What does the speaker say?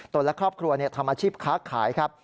และครอบครัวทำอาชีพค้าขายครับ